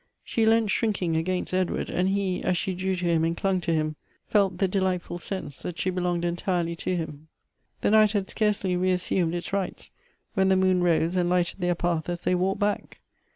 She leant shiinking against Edward, and lie, as she drew to him and clung to him, felt the delightful sense that she belonged entirely to him. The night had scarcely reassumed its rights, when the moon rose and lighted their path as they walked back.